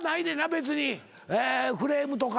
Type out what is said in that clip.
別にクレームとか。